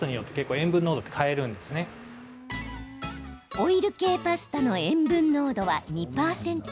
オイル系のパスタの塩分濃度は２％。